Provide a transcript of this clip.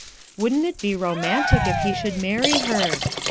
Wouldn't it be romantic if he should many her!